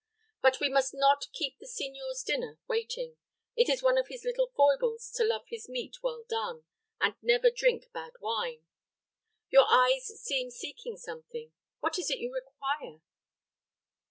But we must not keep the signor's dinner waiting. It is one of his little foibles to love his meat well done, and never drink bad wine. Your eyes seem seeking something. What is it you require?"